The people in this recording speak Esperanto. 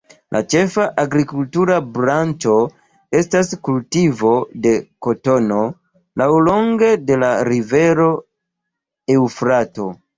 La ĉefa agrikultura branĉo estas kultivo de kotono laŭlonge de la rivero Eŭfrato.